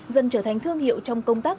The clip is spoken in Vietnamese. dần trở thành thương hiệu trong công tác